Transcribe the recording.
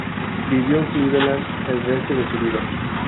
Vivió en Cleveland el resto de su vida.